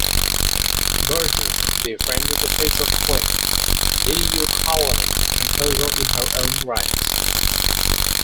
Berger befriended the future Queen Liliuokalani, a composer in her own right.